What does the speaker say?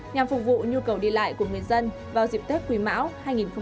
nhằm phục vụ nhu cầu đi lại của nguyên dân vào dịp tết quỳ mão hai nghìn hai mươi ba